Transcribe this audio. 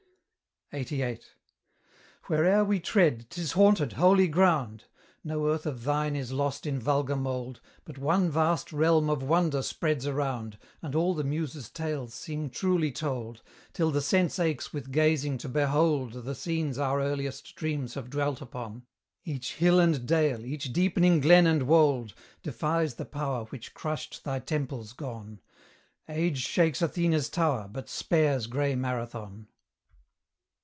LXXXVIII. Where'er we tread, 'tis haunted, holy ground; No earth of thine is lost in vulgar mould, But one vast realm of wonder spreads around, And all the Muse's tales seem truly told, Till the sense aches with gazing to behold The scenes our earliest dreams have dwelt upon: Each hill and dale, each deepening glen and wold, Defies the power which crushed thy temples gone: Age shakes Athena's tower, but spares gray Marathon.